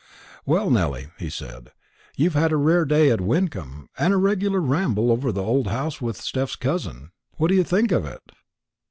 "Well, Nelly," he said, "you've had a rare day at Wyncomb, and a regular ramble over the old house with Steph's cousin. What do you think of it?"